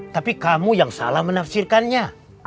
tapi kamu yang salah menafsirkannya